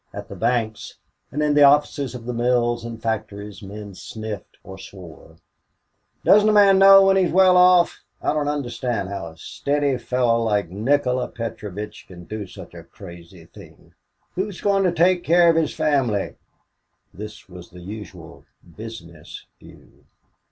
At the banks, and in the offices of the mills and factories, men sniffed or swore, "Doesn't a man know when he is well off? I don't understand how a steady fellow like Nikola Petrovitch can do such a crazy thing. Who is going to take care of his family?" This was the usual business view.